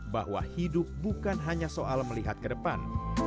bahwa hidup bukan hanya soal melihat ke depan